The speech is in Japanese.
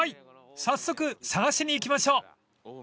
［早速探しに行きましょう］